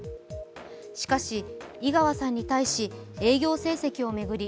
しかし、井川さんに対し営業成績を巡り